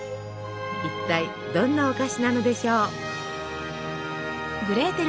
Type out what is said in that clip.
一体どんなお菓子なのでしょう。